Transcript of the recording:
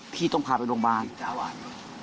พี่ต้องพาไปโรงพยาบาล